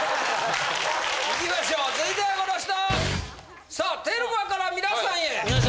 いきましょう続いてはこの人。